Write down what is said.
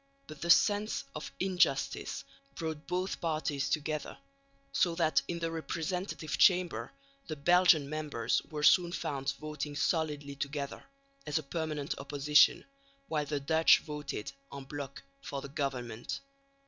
But the sense of injustice brought both parties together, so that in the representative Chamber the Belgian members were soon found voting solidly together, as a permanent opposition, while the Dutch voted en bloc for the government.